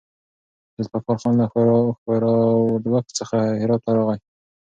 ذوالفقار خان له ښوراوک څخه هرات ته راغی.